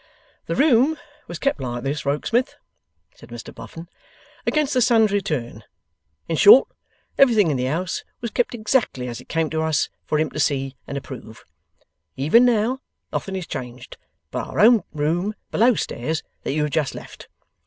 'The room was kept like this, Rokesmith,' said Mr Boffin, 'against the son's return. In short, everything in the house was kept exactly as it came to us, for him to see and approve. Even now, nothing is changed but our own room below stairs that you have just left.